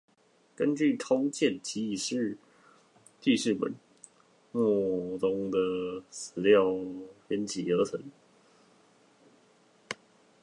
根據通鑑紀事本末中的史料編輯而成